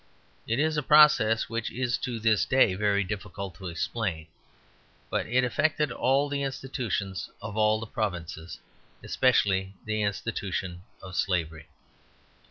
It is a process which is to this day very difficult to explain. But it affected all the institutions of all the provinces, especially the institution of Slavery.